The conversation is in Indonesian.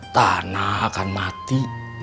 tanah akan mati